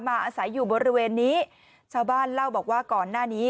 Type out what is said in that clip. อาศัยอยู่บริเวณนี้ชาวบ้านเล่าบอกว่าก่อนหน้านี้